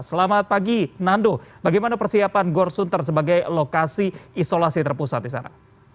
selamat pagi nando bagaimana persiapan gor sunter sebagai lokasi isolasi terpusat di sana